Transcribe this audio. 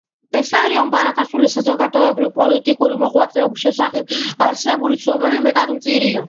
ბესარიონ ბარათაშვილის საზოგადოებრივ-პოლიტიკური მოღვაწეობის შესახებ არსებული ცნობები მეტად მწირია.